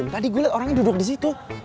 tadi gue liat orangnya duduk disitu